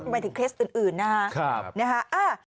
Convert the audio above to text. หมายถึงเคสอื่นนะฮะ